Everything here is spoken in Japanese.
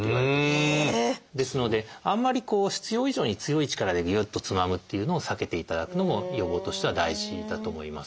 ですのであんまり必要以上に強い力でぎゅっとつまむっていうのを避けていただくのも予防としては大事だと思います。